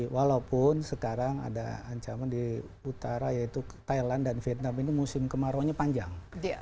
walaupun sekarang ada ancaman di utara yaitu thailand dan vietnam ini musim kemarau nya panjang